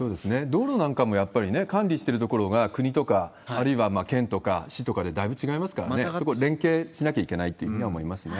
道路なんかもやっぱり管理してるところが国とか、あるいは県とか市とかでだいぶ違いますからね、連携しなきゃいけないというふうには思いますね。